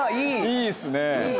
いいですね。